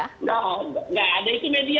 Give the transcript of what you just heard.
tidak ada itu media